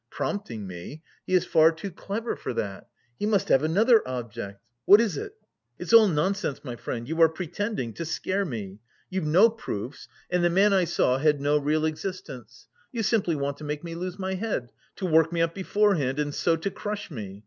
prompting me; he is far too clever for that... he must have another object. What is it? It's all nonsense, my friend, you are pretending, to scare me! You've no proofs and the man I saw had no real existence. You simply want to make me lose my head, to work me up beforehand and so to crush me.